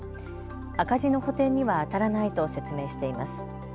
赤字の補填にはあたらないと説明しています。